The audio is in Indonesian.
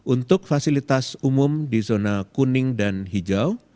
untuk fasilitas umum di zona kuning dan hijau